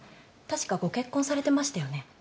確かご結婚されてましたよね？